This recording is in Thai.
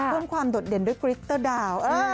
เพิ่มความโดดเด่นด้วยกริตเตอร์ดาว